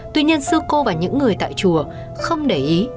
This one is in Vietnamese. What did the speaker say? tuy nhiên sư cô và những người tại chùa không để ý